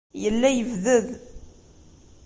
Yella yebded.